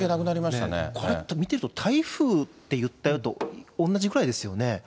これって、見てると台風っていったのと同じくらいですよね。